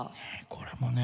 これもね